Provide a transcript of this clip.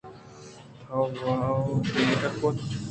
تو وَ دیر کُت۔